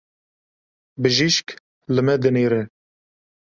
Bijîşk li me dinêre.